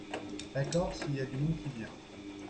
D’accord, s’il y a du monde qui vient.